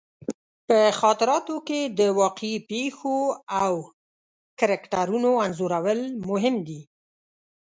په خاطراتو کې د واقعي پېښو او کرکټرونو انځورول مهم دي.